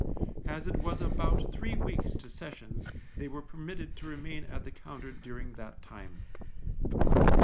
As it was about three weeks to sessions, they were permitted to remain at the Compter during that time.